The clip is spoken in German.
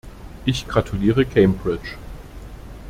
Ich gratuliere Cambridge.